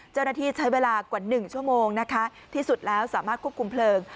เจ้าหน้าที่ใช้เวลากว่า๑ชั่วโมงนะคะที่สุดแล้วสามารถควบคุมเพลิง